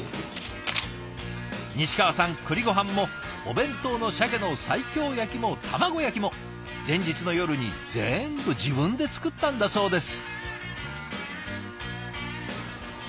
西川さん栗ごはんもお弁当のシャケの西京焼きも卵焼きも前日の夜に全部自分で作ったんだそうです。